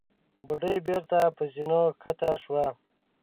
بوډۍ بېرته پر زينو کښته شوه.